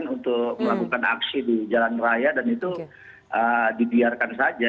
untuk melakukan aksi di jalan raya dan itu dibiarkan saja